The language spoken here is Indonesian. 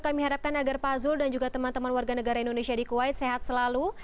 kami harapkan agar pak zul dan juga teman teman warga negara indonesia di kuwait sehat selalu